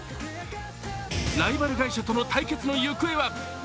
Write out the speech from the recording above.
ライバル会社との対決の行方は？